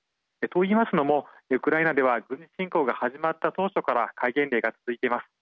と、言いますのもウクライナでは軍事侵攻が始まった当初から戒厳令が続いています。